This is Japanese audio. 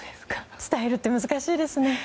伝えるって難しいですね。